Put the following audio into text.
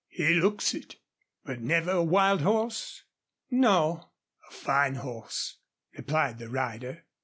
He looks it.... But never a wild horse?" "No." "A fine horse," replied the rider.